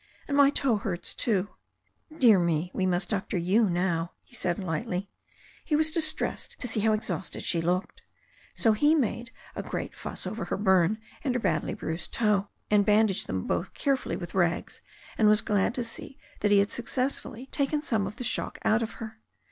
"And my toe hurts too." "Dear me, we must doctor you now," he said lightly. He was distressed to see how exhausted she looked. So he made a great fuss over her burn and her badly bruised toe, and bandaged them both carefully with rags, and was glad to see that he had successfully taken some of the shock out of her.